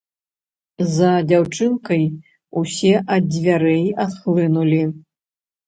За дзяўчынкай усе ад дзвярэй адхлынулі.